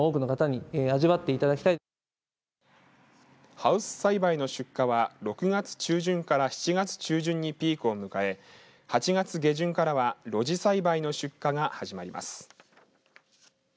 ハウス栽培の出荷は６月中旬から７月中旬にピークを迎え８月下旬からは露地栽培の出荷が始まります。